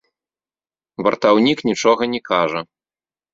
Вартаўнік нічога не кажа.